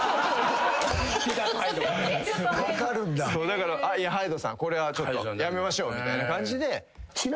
だからＨＹＤＥさんこれはちょっとやめましょうみたいな感じで。